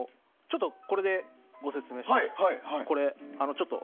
これで、ご説明します。